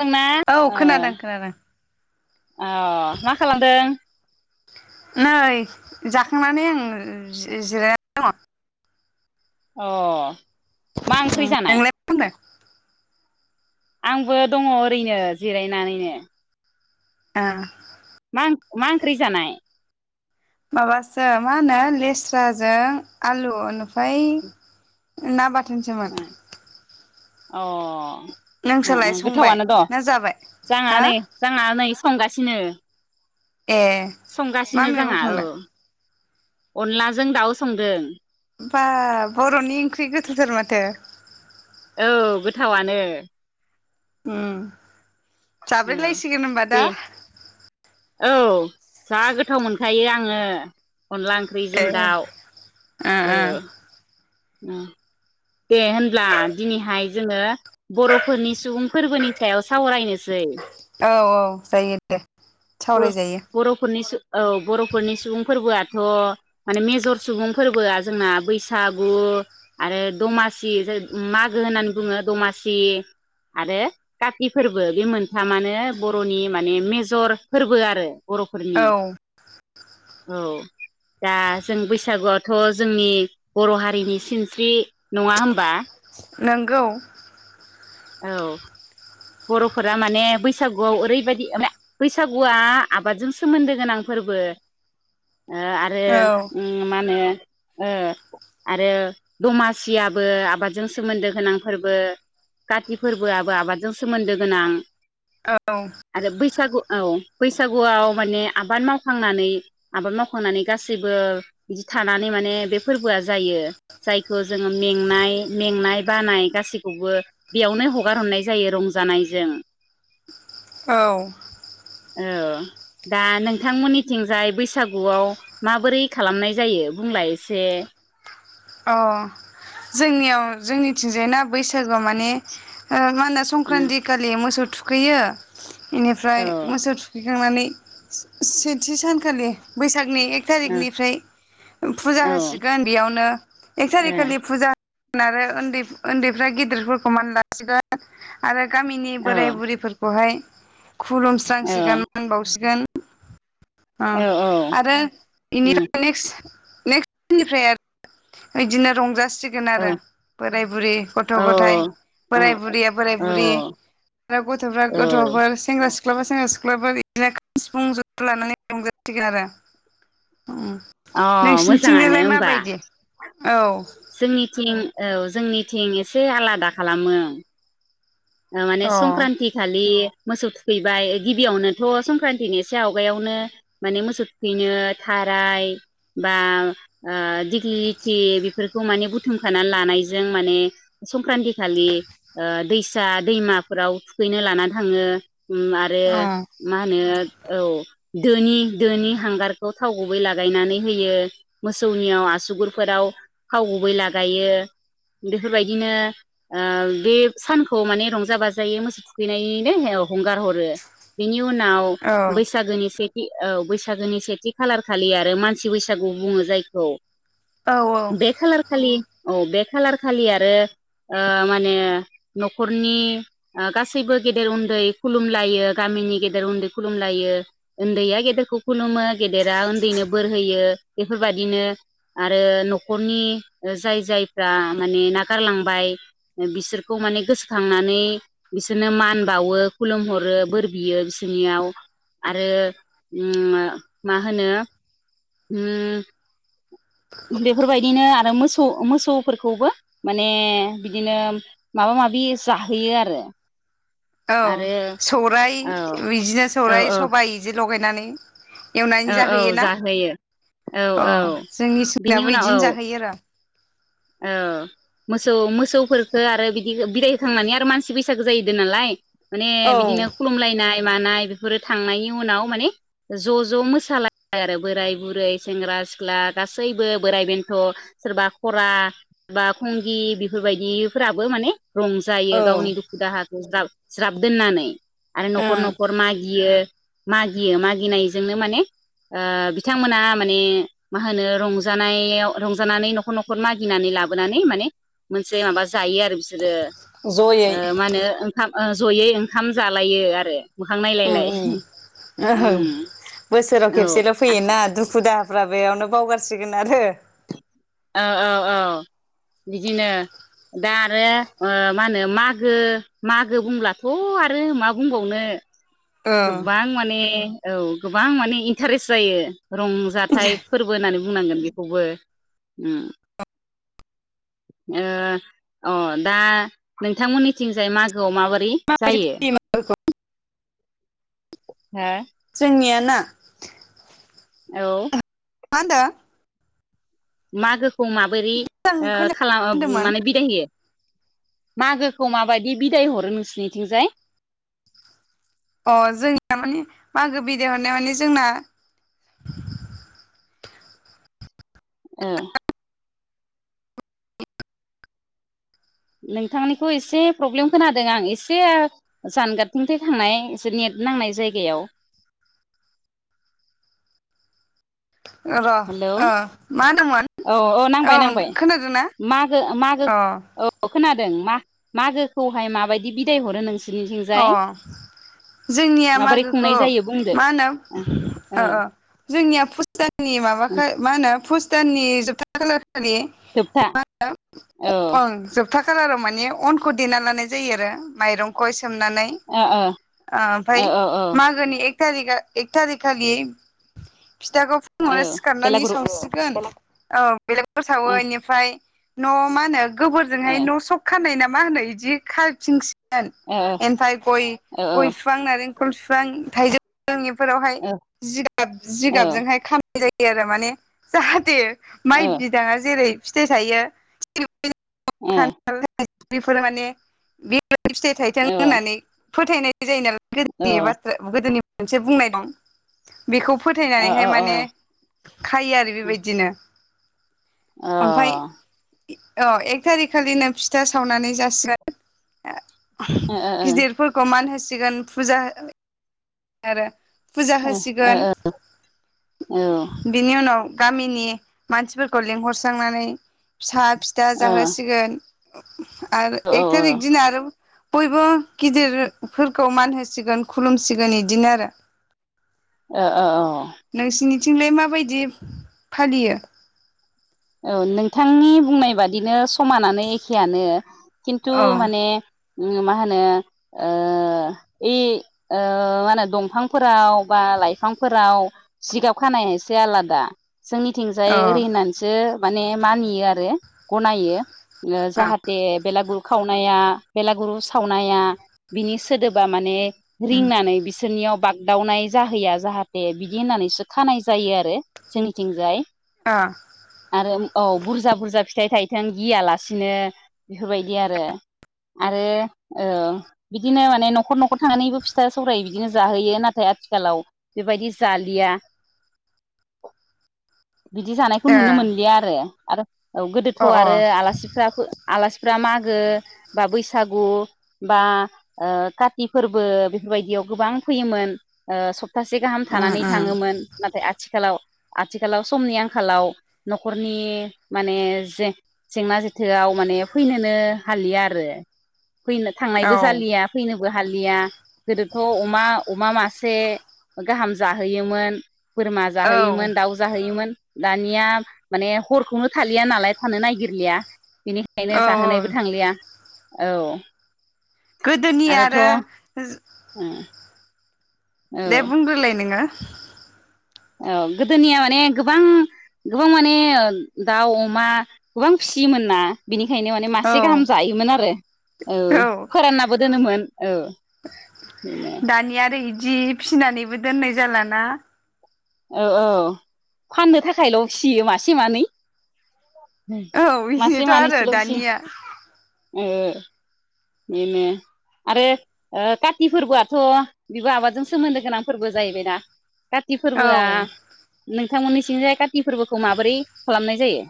दोंना औ ओ खोनादों खोनादों अ मा खालामदों? नै जाखांनानै आं जि-जिरायनानै दङ अ मा ओंख्रि दङ जानाय? नोंलाय मा खामदों? आंबो दङ ओरैनो जिरायनानैनो आह मा मा ओंख्रि जानाय माबासो मा होनो लेस्राजों आलु ओमफाय ना बाथ दोनसेमोन अ अ अ संबाय गोथावनो द ना जाबाय जाङा हा नै जाङा नै संगासिनो ए मा संगासिनो मैगं जोंहा औ संदों अनलाजों दाउ संदों बा बर'नि ओंख्रि गोथावथार माथो औ गोथावानो ओम औ जाब्रेलायसिगोन होनबा दा दे औ जा गोथाव मोनखायो आङो अनला ए ओंख्रिजों दाउ ओ औ ओह दे होनब्ला दिनैहाय जोङो बरफोरनि सुबुं फोरबोनि सायाव सावरायनोसै औ औ जायो दे सावराय जायो फोरनि सुबुं फोरबोआथ' माने मेजर सुबुं फोरबोआ जोंना बैसाग गु आरो दमासि जो मागो होननानै बुङो दमासि आरो काति फोरबो बे मोनथामानो बर'नि माने मेजर फोरबो आरो बरफोरनि औ औ दा जों बैसागुआथ जोंनि बर' हारिनि सिनस्रि नङा होमबा नंगौ औ बर'फोरा माने बैसागुआव ओरैबायदि माने बैसागुआ आबादजों सोमोन्दो गोनां फोरबो ओ आरो औ उ मा होनो ओ आरो दमासियाबो आबादजों सोमोन्दो गोनां फोरबो काति फोरबोआबो आबादजों सोमोनदो गोनां आरो बैसागु औ बैसागुआव माने आबाद मावखांनानै आबाद मावखांनानै गासैबो बिदि थानानै माने बे फोरबोआ जायो जायखौ जोङो मेंनाय मेंनाय बानाय गासैखौबो बेयावनो हगार हरनाय जायो रंजानायजों औ औ दा नोंथांमोननिथिंजाय बैसागुआव माबोरै खालामनाय जायो बुंलाय एसे अ जोंनियाव जोंनिथिंजाय ना बैसाग गुआव माने ओ मा होनो संक्रान्ति खालि मोसौ थुखैयो बेनिफ्राय औ मोसौ थुखै खांनानै से सेथि सानखालि बैसाग साकनि एक थारिकनिफ्राय ओ फुजा औ होसिगोन बेयावनो एग औ थारिखालि फुजा आरो उन्दैफ्रा गेदिरफोरखौ मान लासिगोन आरो गामिनि औ बोराय बुरैफोरखौहाय औ खुलुमस्रांसिगोन मानबावसिगोन अ औ आरो इनिफ्राय नेक्स नेक्स्टनिफ्राय आरो बिदिनो रंजासि सिगोन आरो बोराय बुरै गथ गथाइ बोराय बुरैया बोराय औ बुरि आरो गथफ्रा औ गथफोर सेंग्रा सिख्ला सिख्लाबा सेंग्रा सिख्लाफोर बिदिनो खाम सिफुं जथा लानानै रंजासिगोन आरो उम अ नोंसिनिथिंजाय मोजाङानो लाय होमबा माबायदि? औ जोंनिथिं औ जोंनिथिं एसे आलादा खालामो माने अ संक्रान्ति खालि मोसौ थुखैबाय गिबियावनोथ संक्रान्तिनि एसे आवगायावनो माने मोसौ थुखैनो थाराय बा आ दिगलिथि बेफोर खौ माने बुथुमखानानै लानायजों माने संक्रान्ति खालि ओ दै सा दैमाफोराव थुखैनो लाना थाङो। उम आरो मा होनो औ दोनि दोनि हांगारखौ थाव गुबै लागायनानै होयो मोसौनियाव आसुगुरफोराव थाव गुबै लागायो बेफोरबायदिनो ओ बे सान माने रंजा बाजायै मोसौ थुखैनायैनो औ हुंगार हरो बिनि उनाव औ बैसागोनि से औ बैसागोनि सेथि खालार खालि आरो मानसि बैसागु बुङो जायखौ। औ बेखालार खालि औ बे खालार खालि आरो ओ मानो नखरनि ओ गासैबो गेदेर उनदै खुलुमलायो गामिनि गेदेर उनदै खुलुमलायो उनदैया गेदेरखौ खुलुमो गेदेरा उनदैनो बोर होयो बेफोरबायाददिनो आरो नखरनि जाय जायफ्रा माने नागारलांबाय बिसोर खौ माने गोसोखांनानै बिसोरनो मान बावो खुलुमहरो बोर बियो बिसोरनियाव आरो उम मा होनो उम बेफोरबाय बिदिनो आरो मोसौ मोसौफोरखौबो माने बिदिनो माबा माबि जाहोयो आरो औ आरो सौराय औ बिदिनो औ सौराय औ सबाइ बिदि लगायनानै [unintelligible] एवनानै औ जाहैयो औ ना जाहोयो औ अ औ जोंनि बिनि सिनायाबो उनाव औ बिदिनो जाहोयो आरो औ मोसौ मोसौफोरखो आरो बिदि बिदाय होखांनानै आरो मानसि बैसागो जाहैदों नालाय माने औ बिदिनो खुलुमलायनाय मानाय बेफोरो थांनायनि उनाव माने ज ज मोसालायनाय आरो बोराय बुरै सेंग्रा सिख्ला गासैबो बोराय बेन्थ सोरबा बा बा खंगि बेफोरबायदि बियोफोराबो माने रंजायो औ गावनि दुखु दाहाखौ ज्राब ज्राब दोननानै आरो नखर ओं नखर मागियो मागियो मागिनायजोंनो माने ओ बिथांमोना माने माहोनो रंजानायाव रंजानानै नखर मागिनानै लाबोनानै माने मोनसे माबा जायो आरो बिसोरो जयै मा होनो ओंखाम ओ जयै ओंखाम जालायो आरो मोखां नायलायलाय ओम ओम औ बोसोराव औ खेबसेल' फैयोना दुखु दाहा फ्रा बेयावनो बावगारसिगोन आरो औ औ बिदिनो दा आरो ओ मा होनो मागो मागो बुंब्लाथ' आरो मा बुंबावनो ओ गोबां माने औ गोबां माने इन्टारेस्ट जायो रंजाथाइ फोरबो होननानै बुंनांगोन बेखौबो ओम ओ अ दा नोंथांमोननिथिंजाय मागो औ माबोरै जायो बिमाफोरखौ हा जोंनिया ना औ मा होनदों मागोखौ माबा बोरै मोजां ओ खोना खालाम होनदोंमोन माने बिदाय होयो मागोखौ माबायदि बिदाय हरो नोंसिनिथिंजाय अ जोंना माने मागो बिदायहरनाया माने जोंना ओ नोंथांनिखौ एसे प्रब्लेम खोनादों आं एसे जानगारथिं थांनाय एसे नेट नांनाय जायगायाव र' हेलौ ओ मा होनदोंमोन औ औ नांबाय नांबाय मागो मागो अ औ खोनादों मा मागोखौहाय माबायदि बिदाय हरो नों अ जोंनिया माबोरै खुंनाय मागोखौ जायो बुंदो माहोनो अ औ अ जोंनिया फुजानि जोंनि माबाखो माहोनो पुस दाननि जोबथा जोबथा खालार औ [unintelligible] जोबथा खालाराव माने अनखौ देना लानाय जायो आरो माइरंखौ एसे सोमनानै ओ ओ ओमफ्राय ओ औ औ मागोनि एक एक थारिक खालि फिथाखौ फुङावहाय औ सिखारनानै बेलागुरु सावसिगोन औ बेलागुफोर सावो ओ एनिफ्राय न मा होनो ओ गोबोरजोंहाय न सख खानाय होनना मा होनो इदि खाथिं सि ओ ओ फाय गय औ गय फिफां नारेंखल फिफां थाइज जोंनिफोरावहाय औ जिगाब जिगाबजोंहाय खा जायो आरो माने जाहाथे माइ बिदाङा जेरै फिथाइ थायो [unintelligible] बेफोर माने बेबादि फिथाइ थाइथों ओ होननानै फोथायनाय जायो नालाय [unintelligible] गोदोनि मोनसे बुंनाय दं बेखौ फोथायनानैहाय माने खायो आरो बेबायदिनो अ ओमफ्राय औ एक थारिक खालिनो फिथा सावनानै जासिगोन [inaudible] गिदिरफोरखौ मान होसिग गोन फुजा आरो फुजा होसिगोन बेनि उनाव गामिनि मानसिफोरखौ लिंहरस्रांनानै फिसा फिथा जाहोसिगोन [inaudible] आरो एक थारिक दिना आरो बयबो गिदिरफोरखौ मान होसिगोन खुलुमसिगोन इद दिनो आरो ओ ओ औ नोंसिनिथिंलाय माबायदि फालियो? ओ नोंथांनि बुंनाय बादिनो समानानो एखेयानो किनतु औ माने मा होनो ओ ओइ मा होनो दंफांफोराव बा लाइफांफोराव जिगाब खानाया एसे आलादा जोंनिथिंजाय अ ओरै होननानै सो माने मानियो आरो गनायो ओ अ जाहाथे बेलागुर खावनो नाया बेलागुरु सावनाया बिनि सोदोबा माने उम रिंनानै बिसोरनियाव बागदावनाय जाहैया जाहाथे बिदि होननानैसो खानाय जायो आरो जोंनिथिंजाय। ओ औ बुरजा बुरजा फिथाइ थायथों गियालासिनो बेफोरबायदि आरो आरो बिदिनो माने न'खर न'खर थांनानैबो फिथा सौर बिदिनो जाहोयो नाथाय आथिखालाव बेबायदि जालिया बेखौ ए नुनो मोनलिया आरो आरो औ गोदोथ अ अ आरो आलासिफ्राबो आलासि फ्रा मागो बा बैसागु बा ओ काति फोरबो बेफोरबायदियाव गोबां फैयोमोन सब सासे गाहाम उम थानानै उम थाङोमोन नाथाय आथिखालाव आथिखालाव समनि आंखालाव नखरनि माने जें जेंना जोथोआव माने फैनोनो हालिया आरो। फैनो थांनायबो औ जालिया फैनो बो हालिया गोदोथ अमा अमा मासे गाहाम जाहोयोमोन। बोरमा औ जाहोयोमोन दाउ जाहोयोमोन दानिया माने हरखौनो थालिया नालाय थानो नागिरलिया बिनिखायनो औ औ जाहोनायबो थांलिया औ गोदोनि आरोथ' आरो औ दे बुंग्रोलाय नोंङो। [inaudible] औ गोदोनिया माने गोबां गोबां माने दाउ अमा गोबां फिसियोमोन ना बिनि बेखायनो माने मासे गाहाम औ जायोमोन आरो औ फोराननाबो दोनोमोन औ बेनो दानि आरो इदि फिसिनानैबो दोननाय जालाना औ औ फाननो थाखायल फियो मासे मानै। औ मासे बेनोथ आरो मानैसोल'सै दानिया ओ बेनो आरो ओ काति फोरबोआथ बेबो आबादजों सोमोनदो गोनां फोरबो जाहैबायना काति फोरबोआ औ नों नोंथांमोननिथिंजाय काति फोरबोखौ माबोरै खालामनाय जायो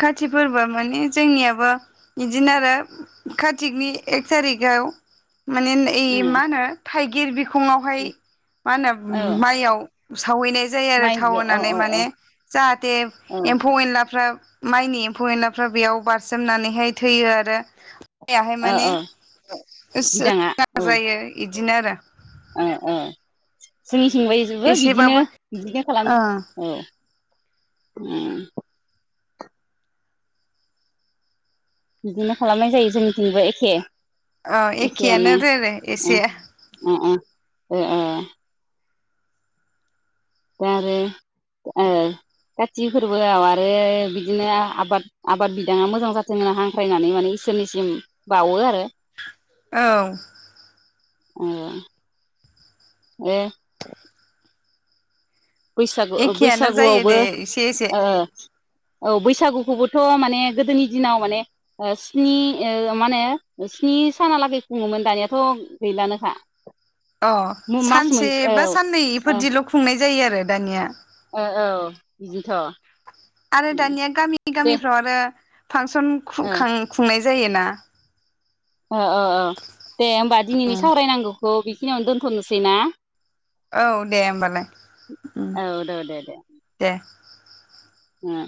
काति फोरबोआ माने जोंनियाबो बिदिनो आरो र्कतिकनि एक थारिखआव मानेन ओइ मा होनो थाइ गेरबिख फुङावहाय उम मा होनो औ माइयाव सावैनाय जायो आरो माइ थाव अ अ होनानै अ माने औ जाहाथे ओ एम्फौ एनलाफ्रा माइनि एमफौ एनलाफ्रा बेयाव बारसोमनानैहाय थैयो आरो बहाय [unintelligible] माने ओ बिदाङा जायो बिदिनो आरो औ औ जोंनिथिंबायजोबो बिदिनो एसेबाबो बिदिनो ओ खालामो औ उम बिदिनो खालामनाय जायो जोंनिथिंबो एखे औ एखेयानो रे रे एसे ए दा आरो ओ काति फोरबोआव आरो बिदिनो आबाद आबाद बिदाङा मोजां जाथों होनना हांख्रायनानै माने इसोरनिसिम बावो आरो औ अ ए बैसागु ओ एखेयानो जायो बैसागुआवबो दे एसे एसे ओ औ बैसागुखौबोथ माने गोदोनि दिनाव माने ओ स्नि ओ मा होनो स्नि सानालागै खुङोमोन दानियाथ गैलानोखा अ मास सानसे मोनसे औ बा ओ साननैफोरदिल खुंनाय जायो [unintelligible] दानिया ओ औ बिदिथ' आरो दानिया गामि दे गामिफ्राव आरो फांसन ओ खुखां खुंनाय जायोना अ ओ ओ दे होमबा दिनैनि सावरायनांगौ खौ बे खिनियावनो दोनथ'नोसै ना औ दे होमबालाय उम औ दे दे ओं